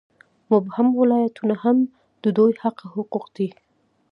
مبهم ولایتونه هم د دوی حقه حقوق دي.